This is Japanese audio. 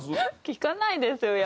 聴かないですよ。